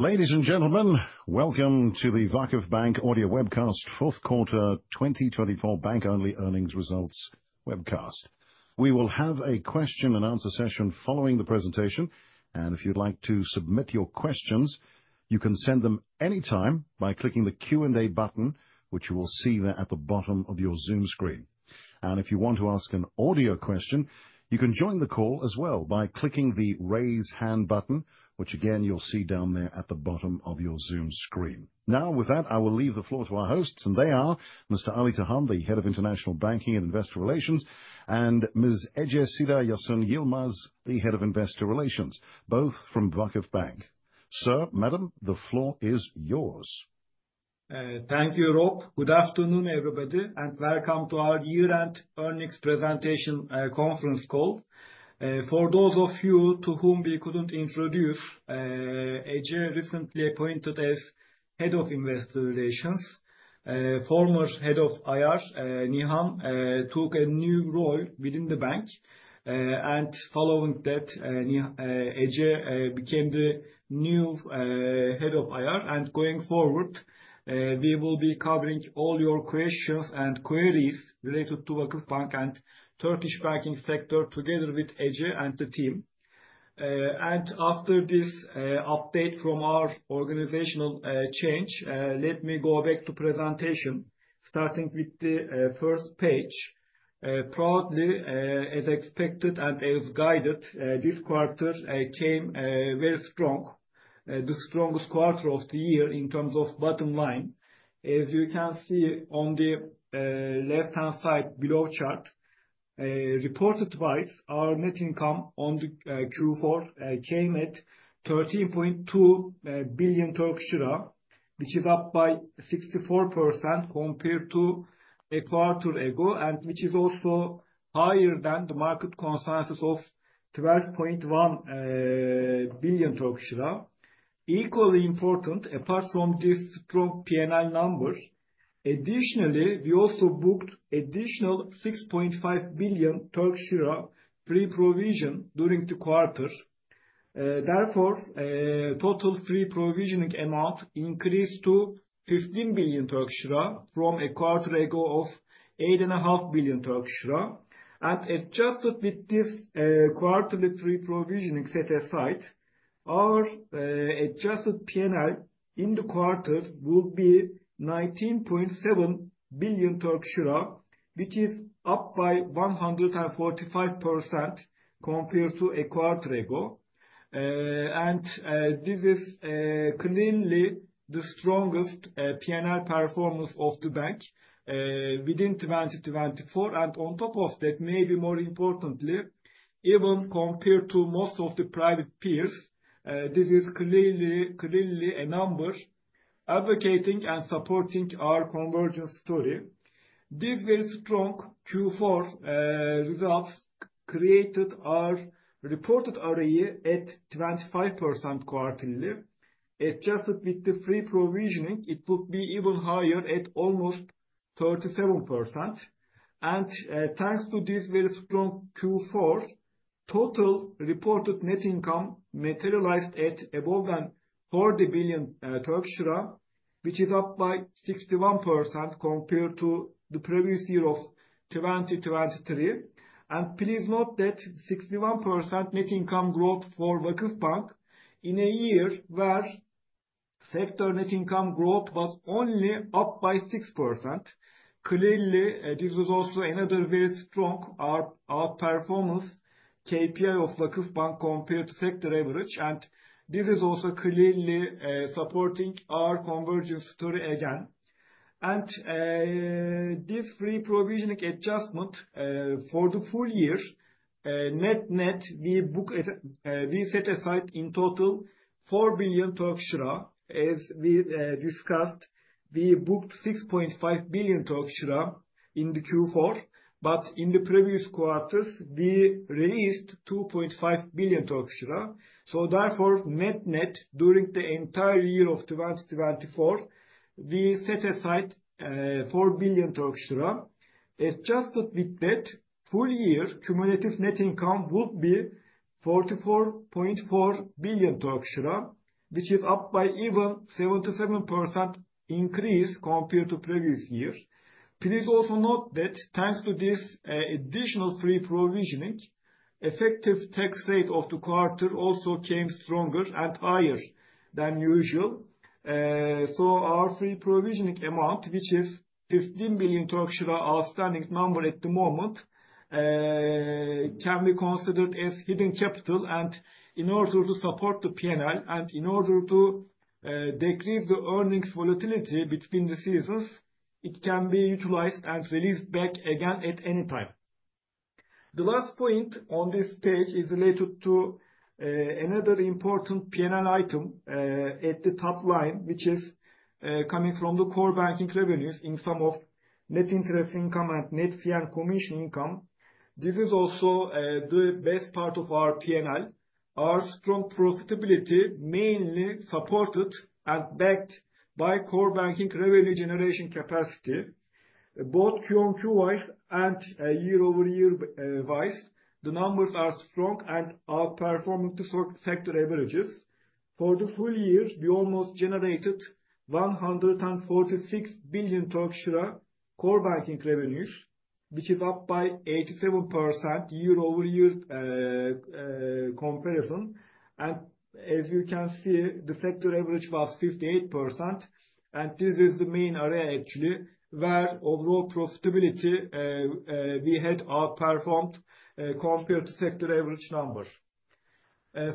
Ladies and gentlemen, welcome to the VakıfBank audio webcast fourth quarter 2024 bank only earnings results webcast. We will have a question-and-answer session following the presentation, and if you'd like to submit your questions, you can send them anytime by clicking the Q&A button, which you will see there at the bottom of your zoom screen. If you want to ask an audio question, you can join the call as well by clicking the raise hand button, which again you'll see down there at the bottom of your zoom screen. Now with that, I will leave the floor to our hosts and they are Mr. Ali Tahan, the Head of International Banking and Investor Relations, and Ms. Ece Seda Yasan Yılmaz, the Head of Investor Relations, both from VakıfBank. Sir, Madam, the floor is yours. Thank you, Rob. Good afternoon, everybody, and welcome to our year-end earnings presentation, conference call. For those of you to whom we couldn't introduce, Ece recently appointed as Head of Investor Relations. Former Head of IR, Nihan, took a new role within the bank, and following that, Ece became the new Head of IR. Going forward, we will be covering all your questions and queries related to VakıfBank and Turkish banking sector, together with Ece and the team. After this update from our organizational change, let me go back to presentation, starting with the first page. Proudly, as expected and as guided, this quarter came very strong, the strongest quarter of the year in terms of bottom line. As you can see on the left-hand side below chart, reported our net income on the Q4 came at 13.2 billion Turkish lira, which is up by 64% compared to a quarter ago, and which is also higher than the market consensus of 12.1 billion Turkish lira. Equally important, apart from this strong PNL numbers, additionally, we also booked additional 6.5 billion Turkish lira pre-provision during the quarter. Therefore, total free provisioning amount increased to 15 billion Turkish lira from a quarter ago of 8.5 billion Turkish lira. Adjusted with this quarterly free provisioning set aside, our adjusted PNL in the quarter will be 19.7 billion Turkish lira, which is up by 145% compared to a quarter ago. This is clearly the strongest PNL performance of the bank within 2024. On top of that, maybe more importantly, even compared to most of the private peers, this is clearly a number advocating and supporting our convergence story. This very strong Q4 results create the reported ROE at 25% quarterly. Adjusted with the free provisioning, it would be even higher at almost 37%. Thanks to this very strong Q4, total reported net income materialized at above 40 billion Turkish lira, which is up by 61% compared to the previous year of 2023. Please note that 61% net income growth for VakıfBank in a year where sector net income growth was only up by 6%. Clearly, this is also another very strong our performance KPI of VakıfBank compared to sector average, and this is also clearly supporting our convergence story again. This free provisioning adjustment for the full year, net-net, we set aside in total 4 billion. As we discussed, we booked 6.5 billion in the Q4, but in the previous quarters, we released 2.5 billion Turkish lira. Therefore, net-net during the entire year of 2024, we set aside 4 billion Turkish lira. Adjusted with that full year, cumulative net income would be 44.4 billion Turkish lira, which is up by even 77% increase compared to previous year. Please also note that thanks to this, additional free provisioning, effective tax rate of the quarter also came stronger and higher than usual. So our free provisioning amount, which is 15 billion outstanding number at the moment, can be considered as hidden capital and in order to support the PNL and in order to, decrease the earnings volatility between the seasons, it can be utilized and released back again at any time. The last point on this page is related to, another important PNL item, at the top line, which is, coming from the core banking revenues in some of net interest income and net fee and commission income. This is also, the best part of our PNL. Our strong profitability mainly supported and backed by core banking revenue generation capacity. Both QOQ and year-over-year, vice. The numbers are strong and are outperforming the sector averages. For the full year, we almost generated 146 billion Turkish lira core banking revenues, which is up by 87% year-over-year comparison. As you can see, the sector average was 58%, and this is the main area actually where overall profitability we had outperformed compared to sector average number.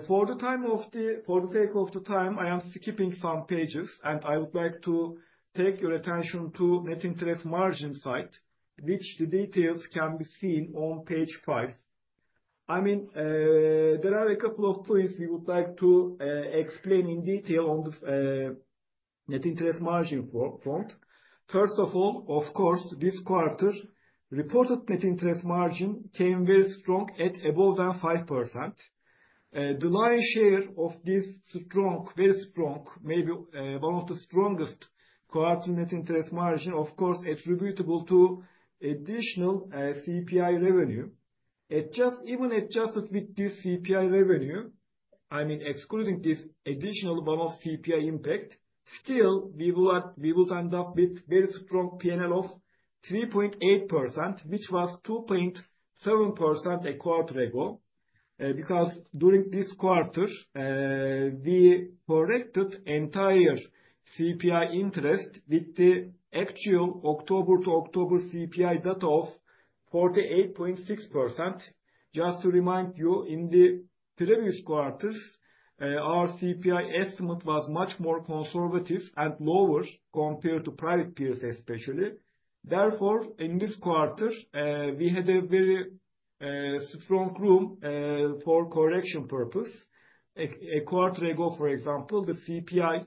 For the sake of the time, I am skipping some pages and I would like to take your attention to net interest margin side, where the details can be seen on page five. I mean, there are a couple of points we would like to explain in detail on this net interest margin four-point. First of all, of course, this quarter reported net interest margin came very strong at above 5%. The lion's share of this very strong, maybe one of the strongest quarter net interest margin, of course, attributable to additional CPI revenue. Even adjusted with this CPI revenue, I mean excluding this additional one-off CPI impact, still we would end up with very strong PNL of 3.8%, which was 2.7% a quarter ago. Because during this quarter, we corrected entire CPI interest with the actual October to October CPI data of 48.6%. Just to remind you, in the previous quarters, our CPI estimate was much more conservative and lower compared to private peers, especially. Therefore, in this quarter, we had a very strong room for correction purpose. A quarter ago, for example, the CPI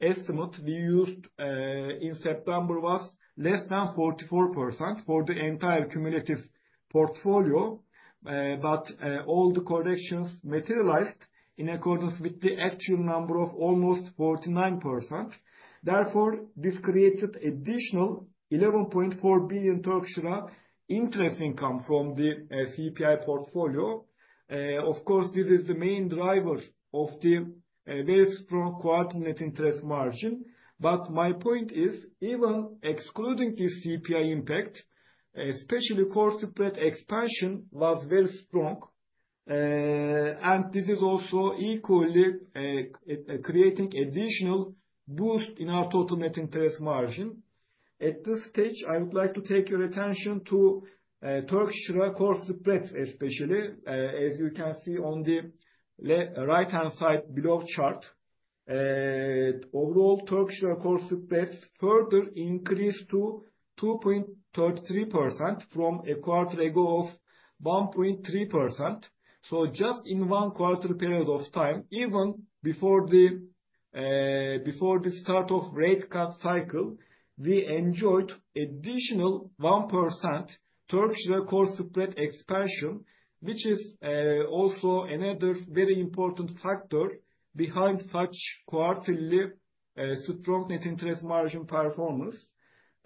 estimate we used in September was less than 44% for the entire cumulative portfolio. All the corrections materialized in accordance with the actual number of almost 49%. Therefore, this created additional 11.4 billion Turkish lira interest income from the CPI portfolio. Of course, this is the main driver of the very strong quarter net interest margin. My point is, even excluding the CPI impact, especially core spread expansion was very strong. This is also equally creating additional boost in our total net interest margin. At this stage, I would like to take your attention to Turkish lira core spreads, especially. As you can see on the right-hand side below chart. Overall Turkish lira core spreads further increased to 2.33% from a quarter ago of 1.3%. Just in one quarter period of time, even before the start of rate cut cycle, we enjoyed additional 1% Turkish lira core spread expansion, which is also another very important factor behind such quarterly strong net interest margin performance.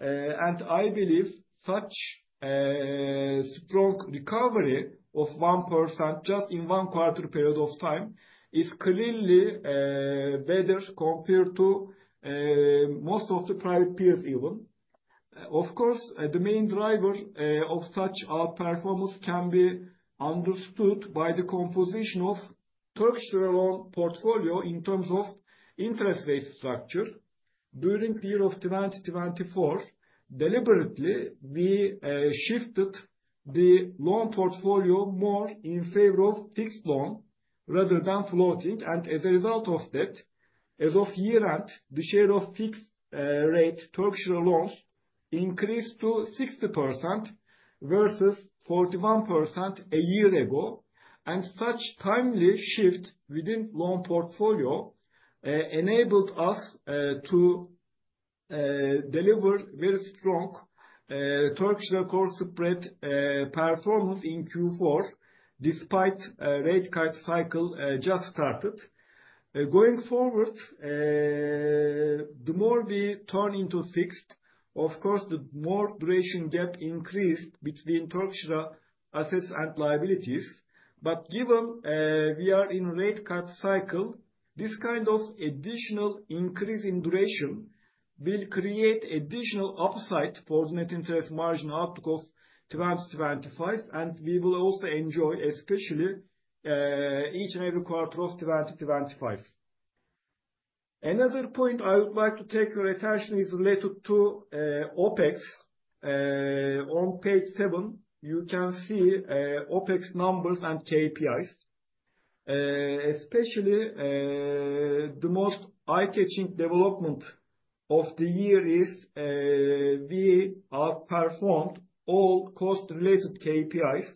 I believe such strong recovery of 1% just in one quarter period of time is clearly better compared to most of the private peers even. Of course, the main driver of such our performance can be understood by the composition of Turkish lira loan portfolio in terms of interest rate structure. During the year of 2024, deliberately, we shifted the loan portfolio more in favor of fixed loan rather than floating. As a result of that, as of year end, the share of fixed rate Turkish lira loans increased to 60% versus 41% a year ago. Such timely shift within loan portfolio enabled us to deliver very strong Turkish lira core spread performance in Q4, despite a rate cut cycle just started. Going forward, the more we turn into fixed, of course the more duration gap increased between Turkish lira assets and liabilities. Given we are in rate cut cycle, this kind of additional increase in duration will create additional upside for net interest margin outlook of 2025, and we will also enjoy especially each and every quarter of 2025. Another point I would like to take your attention is related to OpEx. On page seven, you can see OpEx numbers and KPIs. Especially, the most eye-catching development of the year is we outperformed all cost-related KPIs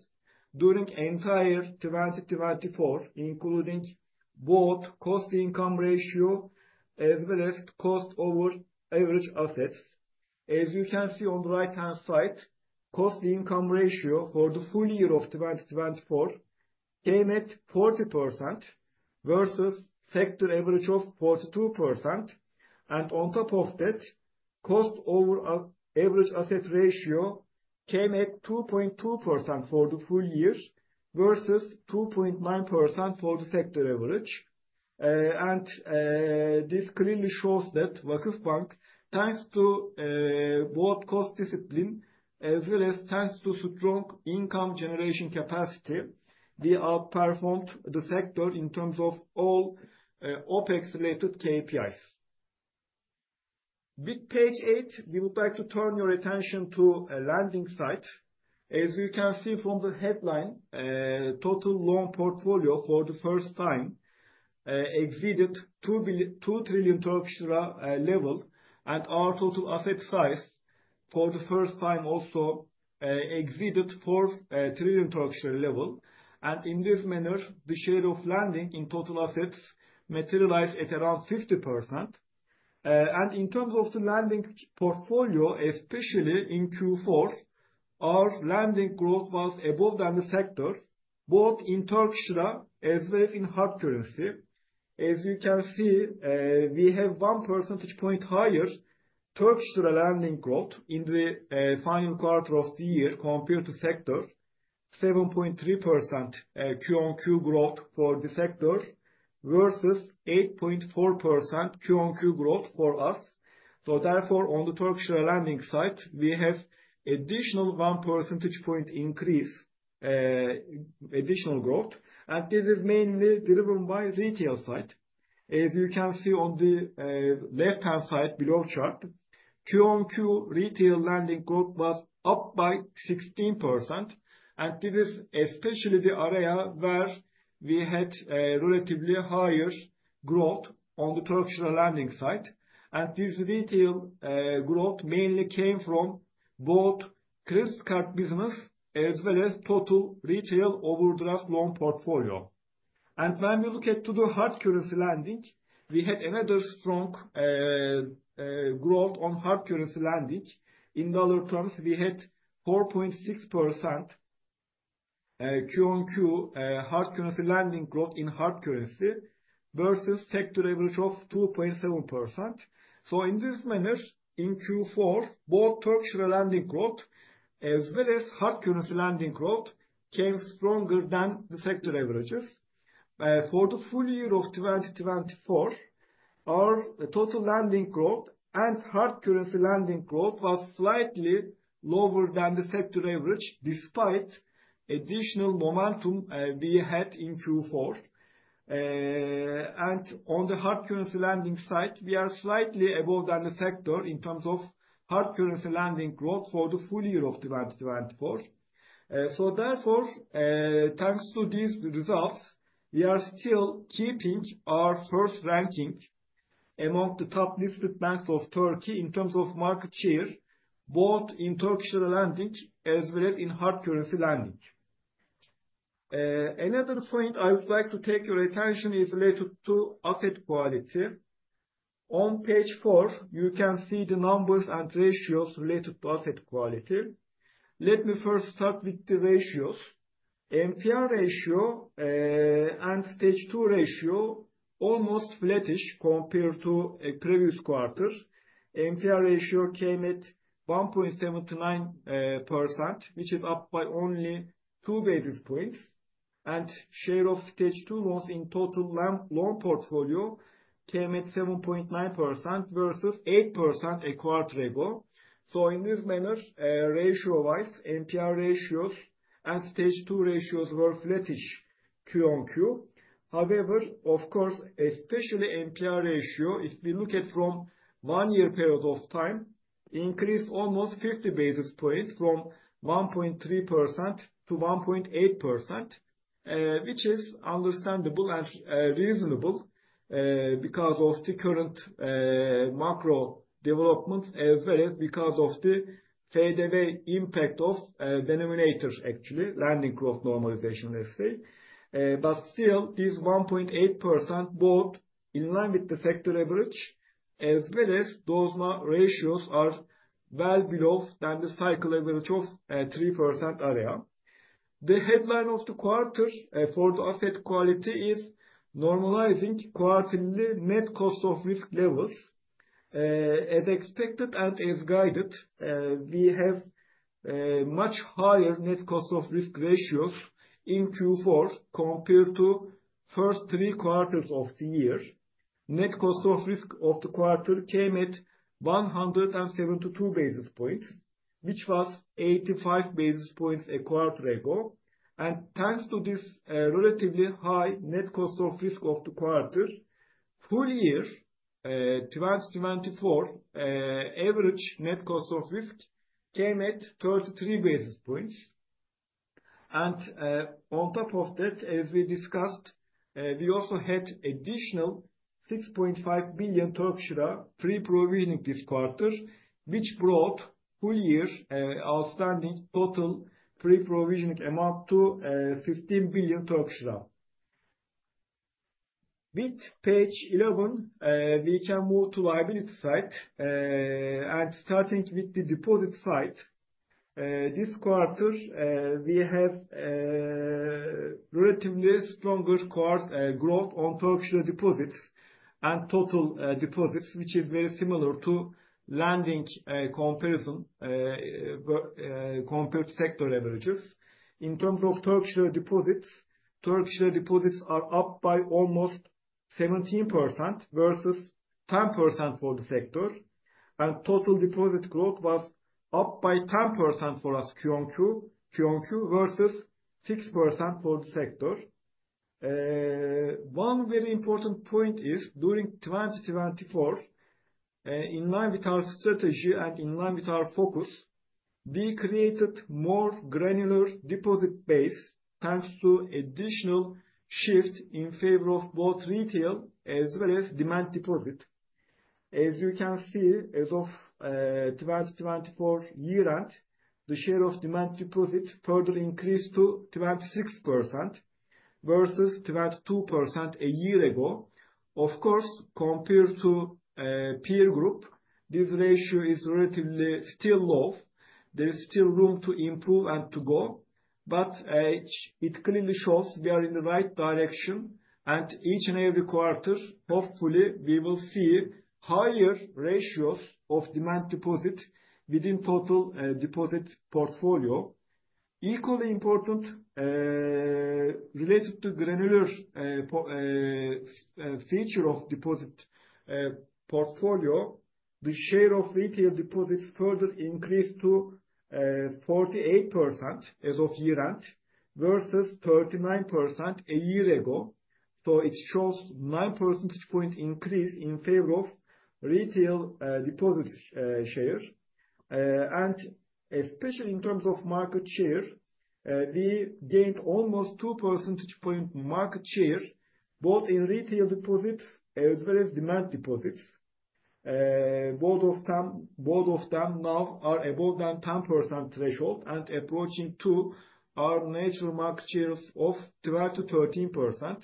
during entire 2024, including both cost-to-income ratio as well as cost over average assets. As you can see on the right-hand side, cost-to-income ratio for the full year of 2024 came at 40% versus sector average of 42%. On top of that, cost over average asset ratio came at 2.2% for the full year versus 2.9% for the sector average. This clearly shows that VakıfBank, thanks to both cost discipline as well as thanks to strong income generation capacity, we outperformed the sector in terms of all OpEx related KPIs. With page eight, we would like to turn your attention to a lending side. As you can see from the headline, total loan portfolio for the first time exceeded 2 trillion level, and our total asset size for the first time also exceeded 4 trillion level. In this manner, the share of lending in total assets materialize at around 50%. In terms of the lending portfolio, especially in Q4, our lending growth was above than the sector, both in Turkish lira as well as in hard currency. As you can see, we have one percentage point higher Turkish lira lending growth in the final quarter of the year compared to sector. 7.3% QOQ growth for the sector versus 8.4% QOQ growth for us. Therefore, on the Turkish lira lending side, we have additional 1 percentage point increase, additional growth. This is mainly driven by retail side. As you can see on the left-hand side below chart, QOQ retail lending growth was up by 16%. This is especially the area where we had a relatively higher growth on the Turkish lira lending side. This retail growth mainly came from both credit card business as well as total retail overdraft loan portfolio. When we look at the hard currency lending, we had another strong growth on hard currency lending. In dollar terms, we had 4.6% QOQ hard currency lending growth in hard currency versus sector average of 2.7%. In this manner, in Q4, both Turkish lira lending growth as well as hard currency lending growth came stronger than the sector averages. For the full year of 2024, our total lending growth and hard currency lending growth was slightly lower than the sector average, despite additional momentum we had in Q4. On the hard currency lending side, we are slightly above than the sector in terms of hard currency lending growth for the full year of 2024. Therefore, thanks to these results, we are still keeping our first ranking among the top-listed banks of Turkey in terms of market share, both in Turkish lira lending as well as in hard currency lending. Another point I would like to take your attention is related to asset quality. On page four, you can see the numbers and ratios related to asset quality. Let me first start with the ratios. NPL ratio and Stage two ratio almost flattish compared to a previous quarter. NPL ratio came at 1.79%, which is up by only two basis points. Share of Stage two was in total loan portfolio came at 7.9% versus 8% a quarter ago. In this manner, ratio-wise, NPL ratios and Stage two ratios were flattish QOQ. However, of course, especially NPL ratio, if we look at from one-year period of time, increased almost 50 basis points from 1.3% to 1.8%, which is understandable and reasonable, because of the current macro developments as well as because of the fade away impact of denominator, actually, lending growth normalization, let's say. Still, this 1.8% both in line with the sector average as well as those NPL ratios are well below the cycle average of 3% area. The headline of the quarter for the asset quality is normalizing quarterly net cost of risk levels. As expected and as guided, we have much higher net cost of risk ratios in Q4 compared to first three quarters of the year. Net cost of risk of the quarter came at 172 basis points, which was 85 basis points a quarter ago. Thanks to this relatively high net cost of risk of the quarter, full year 2024 average net cost of risk came at 33 basis points. On top of that, as we discussed, we also had additional 6.5 billion Turkish lira pre-provisioning this quarter, which brought full year outstanding total pre-provisioning amount to TRY 15 billion. With page 11, we can move to liability side. Starting with the deposit side. This quarter, we have relatively stronger growth on Turkish deposits and total deposits, which is very similar to lending compared to sector averages. In terms of Turkish deposits. Turkish deposits are up by almost 17% versus 10% for the sector, and total deposit growth was up by 10% for us Q on Q versus 6% for the sector. One very important point is during 2024, in line with our strategy and in line with our focus, we created more granular deposit base, thanks to additional shift in favor of both retail as well as demand deposit. As you can see, as of 2024 year end, the share of demand deposit further increased to 26% versus 22% a year ago. Of course, compared to a peer group, this ratio is relatively still low. There is still room to improve and to go, but it clearly shows we are in the right direction. Each and every quarter, hopefully, we will see higher ratios of demand deposit within total deposit portfolio. Equally important, related to granular feature of deposit portfolio. The share of retail deposits further increased to 48% as of year-end versus 39% a year ago. It shows 9 percentage point increase in favor of retail deposit share. Especially in terms of market share, we gained almost 2 percentage point market share, both in retail deposits as well as demand deposits. Both of them now are above the 10% threshold and approaching to our natural market shares of 12%-13%.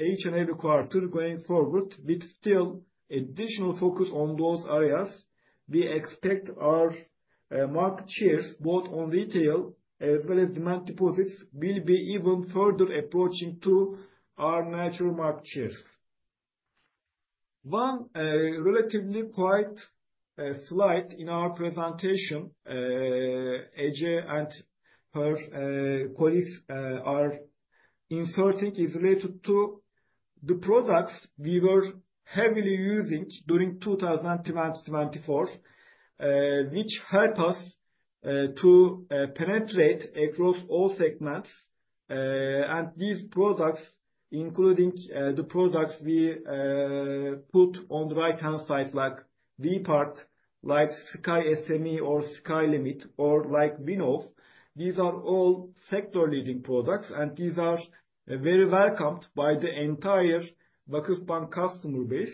Each and every quarter going forward with still additional focus on those areas, we expect our market shares both on retail as well as demand deposits will be even further approaching to our natural market shares. One relatively quiet slide in our presentation, Ece and her colleagues are inserting is related to the products we were heavily using during 2024, which helped us to penetrate across all segments. These products, including the products we put on the right-hand side, like V-PART, like SKY SME or Sky Limit or like Vinov, these are all sector-leading products, and these are very welcomed by the entire VakıfBank customer base.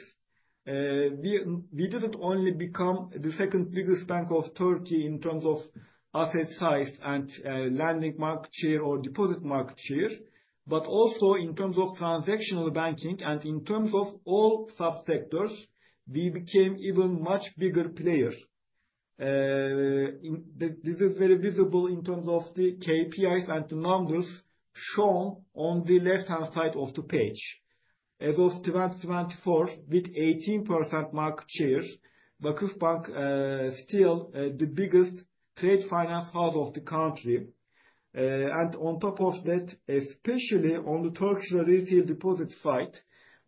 We didn't only become the second biggest bank of Turkey in terms of asset size and lending market share or deposit market share, but also in terms of transactional banking and in terms of all subsectors, we became even much bigger player. This is very visible in terms of the KPIs and the numbers shown on the left-hand side of the page. As of 2024, with 18% market share, VakıfBank still the biggest trade finance hub of the country. On top of that, especially on the Turkish retail deposit side,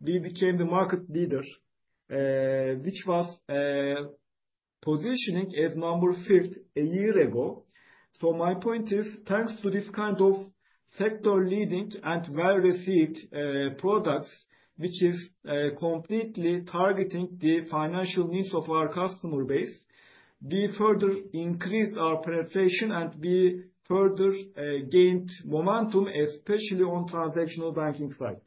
we became the market leader, which was positioning as number fifth a year ago. My point is, thanks to this kind of sector-leading and well-received products, which is completely targeting the financial needs of our customer base, we further increased our penetration and we further gained momentum, especially on transactional banking side.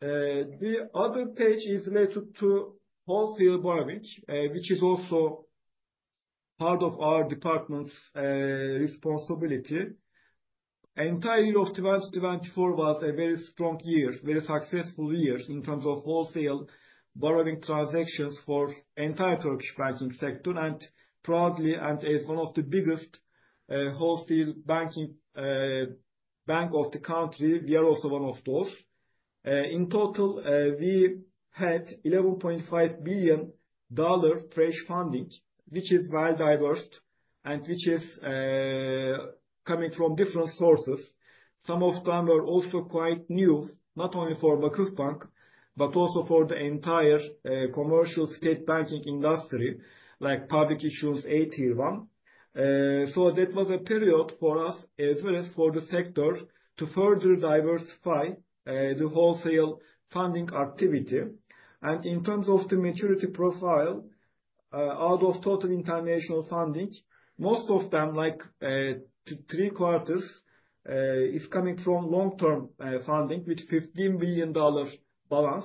The other page is related to wholesale borrowing, which is also part of our department's responsibility. Entire year of 2024 was a very strong year, very successful year in terms of wholesale borrowing transactions for entire Turkish banking sector. Proudly, and as one of the biggest wholesale banking bank of the country, we are also one of those. In total, we had $11.5 billion fresh funding, which is well-diversified and which is coming from different sources. Some of them are also quite new, not only for VakıfBank, but also for the entire commercial state banking industry, like public issues AT1. That was a period for us as well as for the sector to further diversify the wholesale funding activity. In terms of the maturity profile, out of total international funding, most of them like three quarters is coming from long-term funding with $15 billion balance.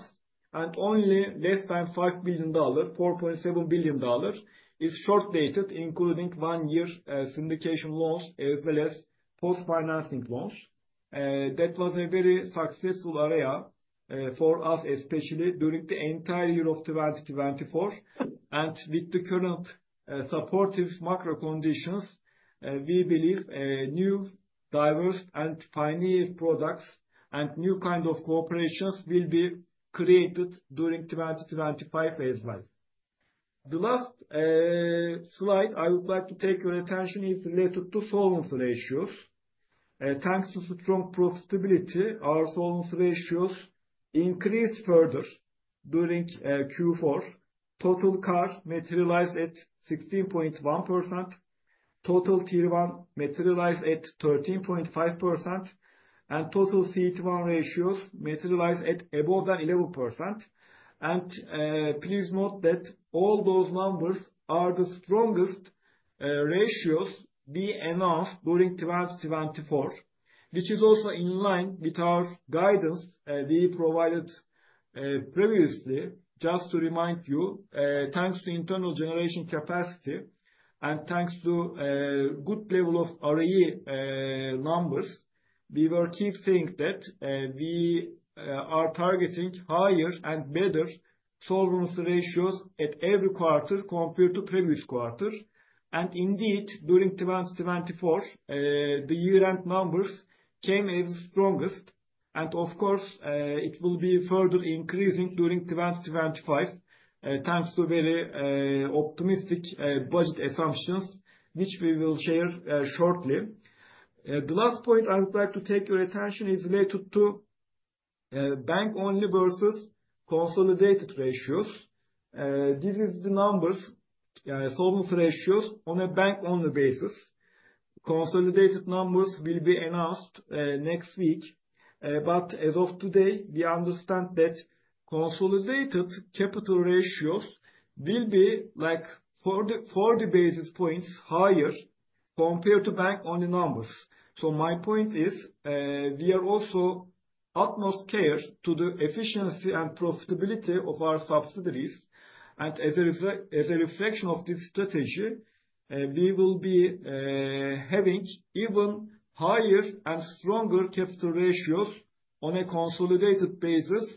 Only less than $5 billion, $4.7 billion is short dated, including one year syndication loans as well as post-financing loans. That was a very successful area for us, especially during the entire year of 2024. With the current, supportive macro conditions, we believe new diverse and pioneer products and new kind of cooperations will be created during 2025 as well. The last slide I would like to draw your attention to is related to solvency ratios. Thanks to strong profitability, our solvency ratios increased further during Q4. Total CAR materialized at 16.1%. Total Tier one materialized at 13.5%, and total CET1 ratios materialized at above 11%. Please note that all those numbers are the strongest ratios we announced during 2024, which is also in line with our guidance we provided previously. Just to remind you, thanks to internal generation capacity and thanks to good level of RE numbers, we will keep saying that we are targeting higher and better solvency ratios at every quarter compared to previous quarter. Indeed, during 2024, the year-end numbers came as strongest. Of course, it will be further increasing during 2025, thanks to very optimistic budget assumptions, which we will share shortly. The last point I would like to take your attention is related to bank-only versus consolidated ratios. This is the numbers, solvency ratios on a bank-only basis. Consolidated numbers will be announced next week. But as of today, we understand that consolidated capital ratios will be like 40 basis points higher compared to bank-only numbers. My point is, we take utmost care with the efficiency and profitability of our subsidiaries. As a reflection of this strategy, we will be having even higher and stronger capital ratios on a consolidated basis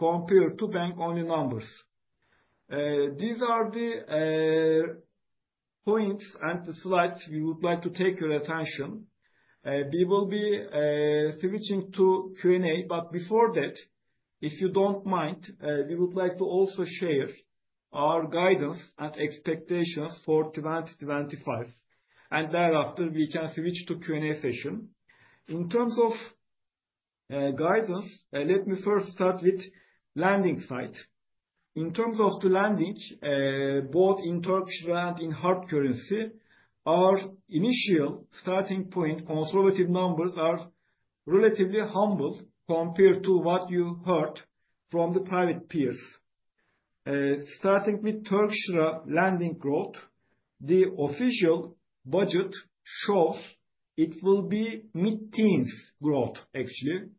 compared to bank-only numbers. These are the points and the slides we would like to draw your attention. We will be switching to Q&A, but before that, if you don't mind, we would like to also share our guidance and expectations for 2025, and thereafter, we can switch to Q&A session. In terms of guidance, let me first start with lending side. In terms of the lending, both in Turkish lira and in hard currency, our initial starting point conservative numbers are relatively humble compared to what you heard from the private peers. Starting with Turkish lira lending growth, the official budget shows it will be mid-teens% growth actually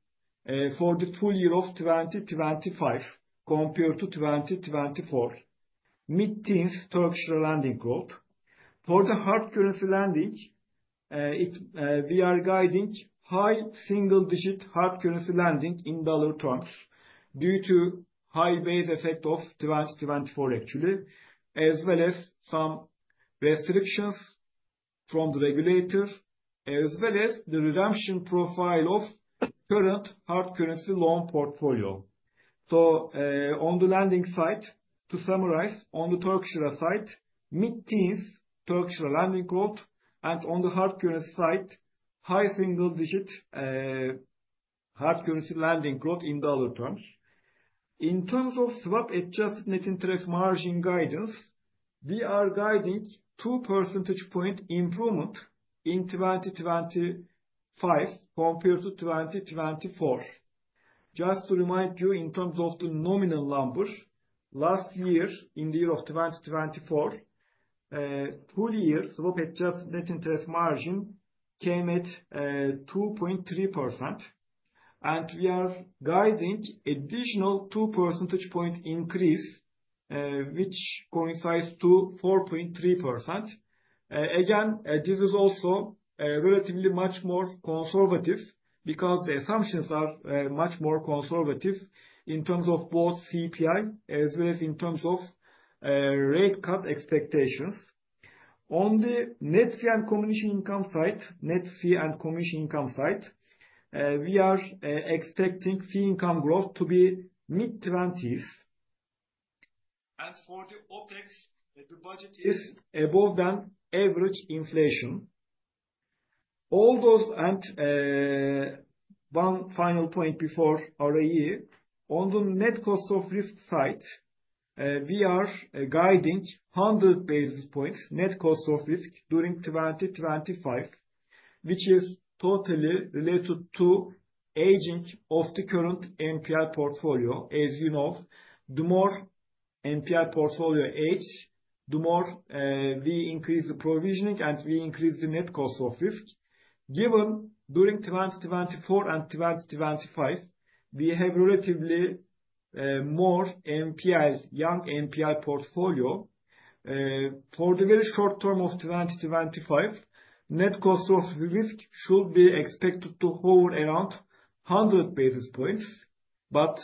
for the full year of 2025 compared to 2024. Mid-teens% Turkish lira lending growth. For the hard currency lending, we are guiding high single-digit% hard currency lending in dollar terms due to high base effect of 2024 actually, as well as some restrictions from the regulator, as well as the redemption profile of current hard currency loan portfolio. On the lending side, to summarize on the Turkish lira side, mid-teens% Turkish lira lending growth, and on the hard currency side, high single-digit% hard currency lending growth in dollar terms. In terms of swap-adjusted net interest margin guidance, we are guiding 2 percentage point improvement in 2025 compared to 2024. Just to remind you, in terms of the nominal numbers, last year in the year of 2024, full year swap-adjusted net interest margin came at 2.3%. We are guiding additional two percentage point increase, which coincides to 4.3%. Again, this is also relatively much more conservative because the assumptions are much more conservative in terms of both CPI as well as in terms of rate cut expectations. On the net fee and commission income side, we are expecting fee income growth to be mid-20s%. For the OpEx, the budget is above the average inflation. All those and one final point before RE. On the net cost of risk side, we are guiding 100 basis points net cost of risk during 2025, which is totally related to aging of the current NPL portfolio. As you know, the more the NPL portfolio ages, the more we increase the provisioning and we increase the net cost of risk. Given during 2024 and 2025, we have a relatively young NPL portfolio. For the very short term of 2025, net cost of risk should be expected to hold around 100 basis points. For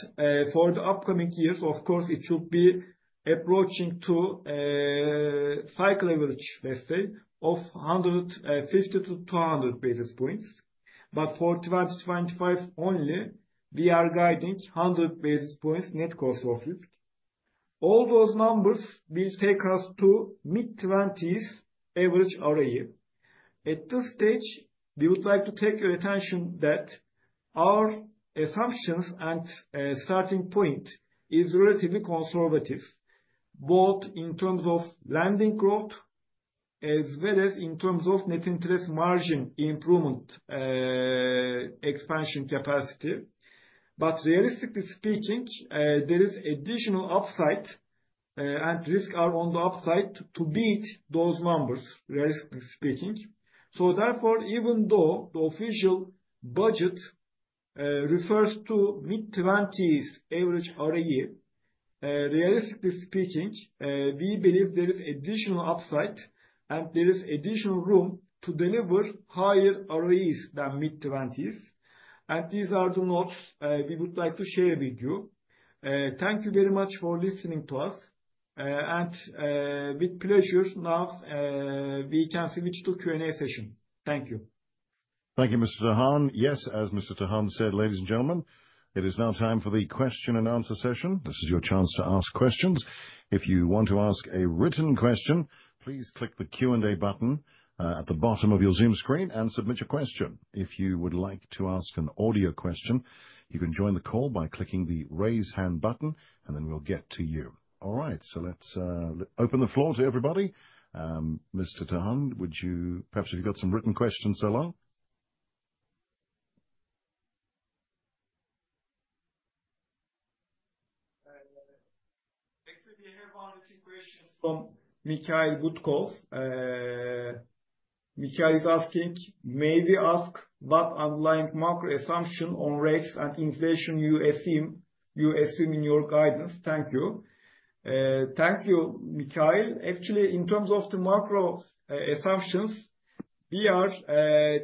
the upcoming years, of course, it should be approaching to a cycle average, let's say, of 150-200 basis points. For 2025 only, we are guiding 100 basis points net cost of risk. All those numbers will take us to mid-20s average ROE. At this stage, we would like to take your attention that our assumptions and, starting point is relatively conservative, both in terms of lending growth as well as in terms of net interest margin improvement, expansion capacity. Realistically speaking, there is additional upside, and risk are on the upside to beat those numbers, realistically speaking. Therefore, even though the official budget, refers to mid-twenties average ROE, realistically speaking, we believe there is additional upside and there is additional room to deliver higher ROEs than mid-twenties. These are the notes, we would like to share with you. Thank you very much for listening to us. With pleasure now, we can switch to Q&A session. Thank you. Thank you, Mr. Tahan. Yes, as Mr. Tahan said, ladies and gentlemen, it is now time for the question and answer session. This is your chance to ask questions. If you want to ask a written question, please click the Q&A button at the bottom of your zoom screen and submit your question. If you would like to ask an audio question, you can join the call by clicking the raise hand button, and then we'll get to you. All right. Let's open the floor to everybody. Mr. Tahan, would you perhaps have you got some written questions so far? Actually, we have one or two questions from Mikhail Shchegolev. Mikhail is asking: May we ask what underlying macro assumption on rates and inflation you assume in your guidance? Thank you. Thank you, Mikhail. Actually, in terms of the macro assumptions, we are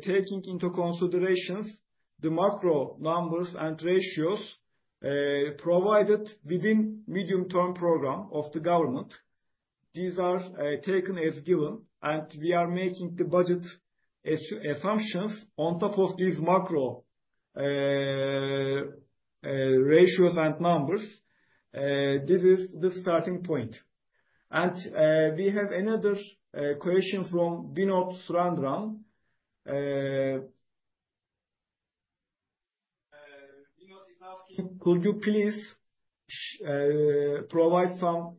taking into consideration the macro numbers and ratios provided within Medium-Term Program of the government. These are taken as given, and we are making the budget assumptions on top of these macro ratios and numbers. This is the starting point. We have another question from Vinod Surendran. Vinod is asking: Could you please provide some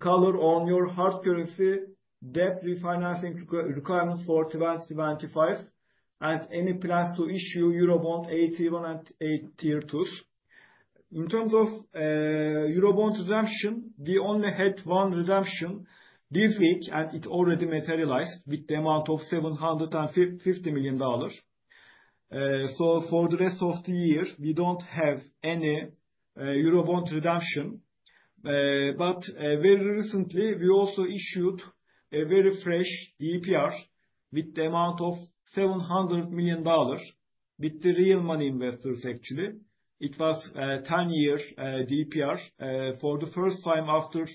color on your hard currency debt refinancing requirements for 2025 and any plans to issue Eurobond AT1 and AT2s? In terms of Eurobond redemption, we only had one redemption this week, and it already materialized with the amount of $750 million. For the rest of the year, we don't have any Eurobond redemption. Very recently, we also issued a very fresh DPR with the amount of $700 million with the real money investors, actually. It was 10 years DPR. For the first time after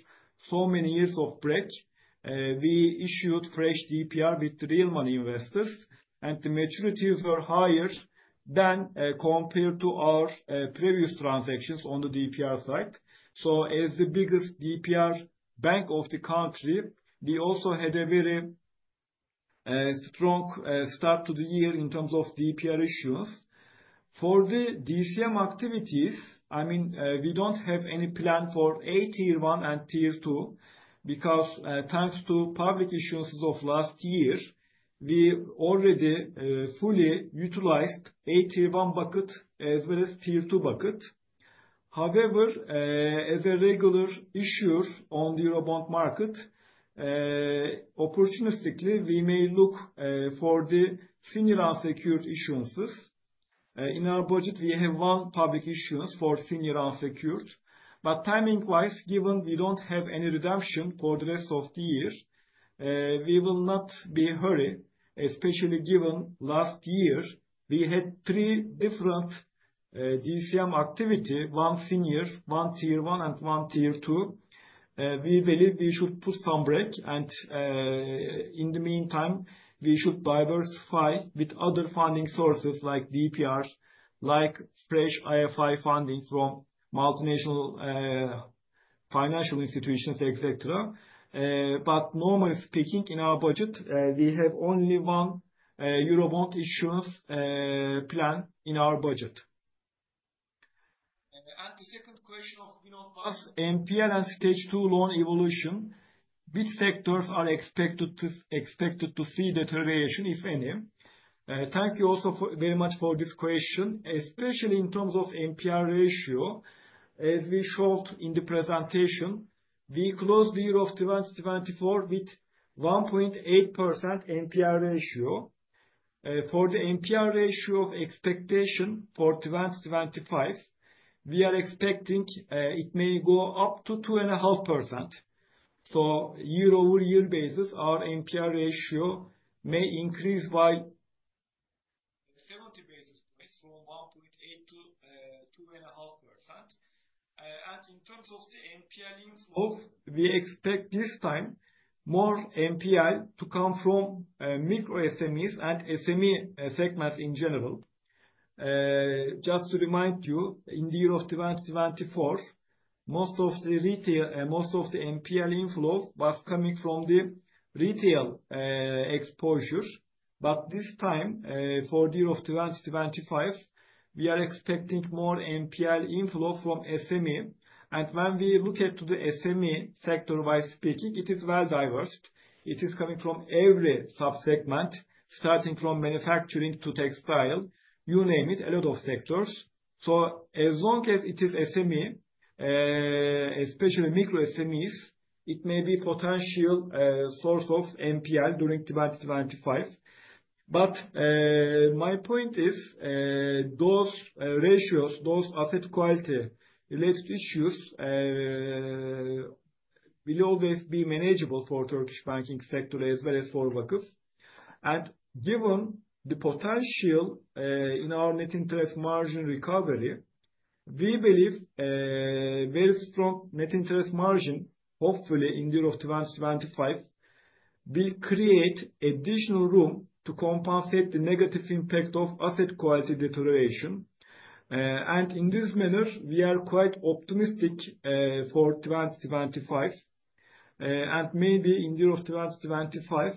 so many years of break, we issued fresh DPR with real money investors, and the maturities were higher than compared to our previous transactions on the DPR side. As the biggest DPR bank of the country, we also had a very strong start to the year in terms of DPR issues. For the DCM activities, I mean, we don't have any plan for AT1 and AT2 because, thanks to public issuances of last year, we already fully utilized AT1 bucket as well as AT2 bucket. However, as a regular issuer on the Eurobond market, opportunistically, we may look for the senior unsecured issuances. In our budget, we have one public issuance for senior unsecured. Timing-wise, given we don't have any redemption for the rest of the year, we will not be in hurry, especially given last year, we had three different DCM activity, one senior, one AT1, and one AT2. We believe we should put some break and, in the meantime, we should diversify with other funding sources like DPRs, like fresh IFI funding from multinational financial institutions, et cetera. Normally speaking, in our budget, we have only one Eurobond issuance plan in our budget. The second question of Vinod was NPL and Stage two loan evolution. Which sectors are expected to see deterioration, if any? Thank you very much for this question. Especially in terms of NPL ratio, as we showed in the presentation, we closed the year of 2024 with 1.8% NPL ratio. For the NPL ratio expectation for 2025, we are expecting it may go up to 2.5%. Year-over-year basis, our NPL ratio may increase by 70 basis points from 1.8% to 2.5%. In terms of the NPL inflow, we expect this time more NPL to come from micro SMEs and SME segments in general. Just to remind you, in the year of 2024, most of the NPL inflow was coming from the retail exposures. This time, for year of 2025, we are expecting more NPL inflow from SME. When we look at the SME sector-wise speaking, it is well-diversified. It is coming from every sub-segment, starting from manufacturing to textile, you name it, a lot of sectors. As long as it is SME, especially micro SMEs, it may be a potential source of NPL during 2025. My point is, those ratios, those asset quality-related issues, will always be manageable for Turkish banking sector as well as for Vakıf. Given the potential in our net interest margin recovery, we believe very strong net interest margin, hopefully in the year of 2025, will create additional room to compensate the negative impact of asset quality deterioration. In this manner, we are quite optimistic for 2025. Maybe in year of 2025,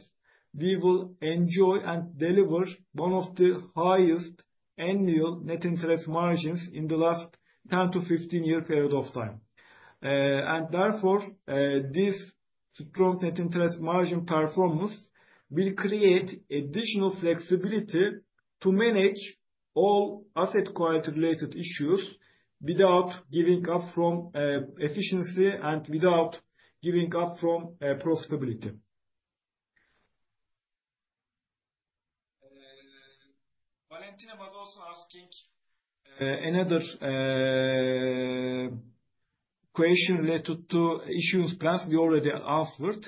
we will enjoy and deliver one of the highest annual net interest margins in the last 10 to 15-year period of time. Therefore, this strong net interest margin performance will create additional flexibility to manage all asset quality-related issues without giving up from efficiency and without giving up from profitability. Valentina was also asking another question related to issues, plus we already answered.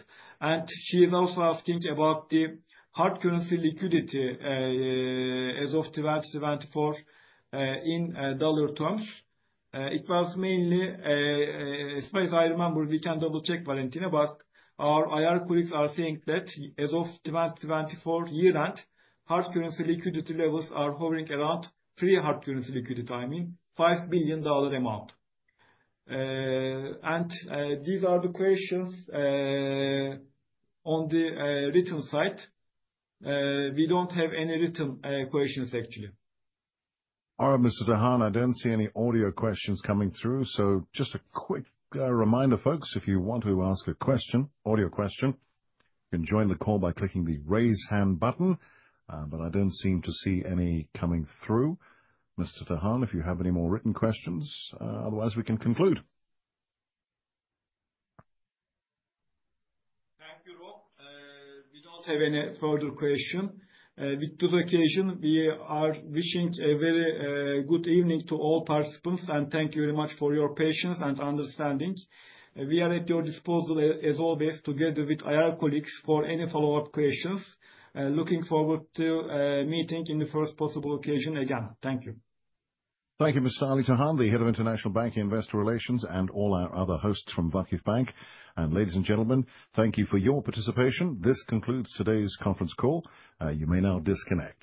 She is also asking about the hard currency liquidity as of 2024 in dollar terms. It was mainly as far as I remember, we can double-check, Valentina, but our IR colleagues are saying that as of 2024 year-end, hard currency liquidity levels are hovering around, I mean, $5 billion. These are the questions on the written side. We don't have any written questions actually. All right, Mr. Tahan. I don't see any audio questions coming through. Just a quick reminder, folks, if you want to ask a question, audio question, you can join the call by clicking the raise hand button. I don't seem to see any coming through. Mr. Tahan, if you have any more written questions. Otherwise, we can conclude. Thank you, Rob. We don't have any further question. With this occasion, we are wishing a very good evening to all participants, and thank you very much for your patience and understanding. We are at your disposal as always, together with IR colleagues for any follow-up questions. Looking forward to meeting in the first possible occasion again. Thank you. Thank you, Mr. Ali Tahan, the Head of International Banking and Investor Relations and all our other hosts from VakıfBank. Ladies and gentlemen, thank you for your participation. This concludes today's conference call. You may now disconnect.